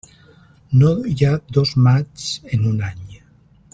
No hi ha dos maigs en un any.